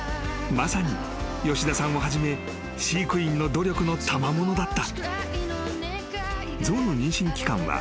［まさに吉田さんをはじめ飼育員の努力のたまものだった］